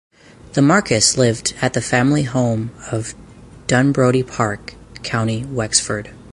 The Marquess lived at the family home of Dunbrody Park, County Wexford.